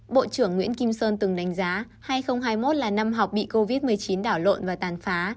bộ trưởng nguyễn kim sơn từng đánh giá hai nghìn hai mươi một là năm học bị covid một mươi chín đảo lộn và tàn phá